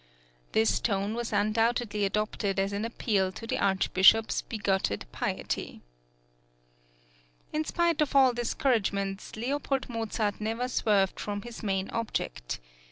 This tone was undoubtedly adopted as an appeal to the Archbishop's bigoted piety. In spite of all discouragements, L. Mozart never swerved from his main object.